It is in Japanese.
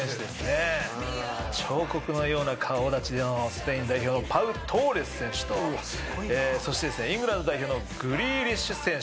彫刻のような顔立ちのスペイン代表のパウトーレス選手とそしてイングランド代表のグリーリッシュ選手。